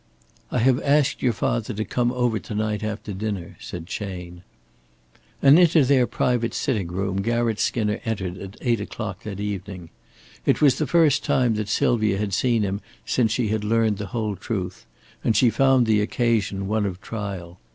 "I have asked your father to come over to night after dinner," said Chayne. And into their private sitting room Garratt Skinner entered at eight o'clock that evening. It was the first time that Sylvia had seen him since she had learned the whole truth, and she found the occasion one of trial.